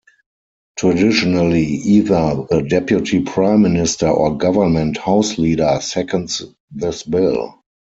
Traditionally, either the Deputy Prime Minister or Government House Leader seconds this bill.